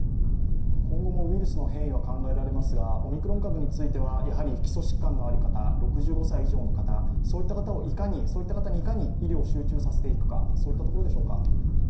今後もウイルスの変異は考えられますがオミクロン株についてはやはり基礎疾患のある方、６５歳以上の方をいかに医療を集中させていくか、そういったところでしょうか？